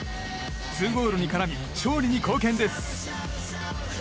２ゴールに絡み勝利に貢献です。